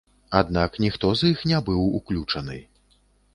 Аднак ніхто з іх не быў уключаны.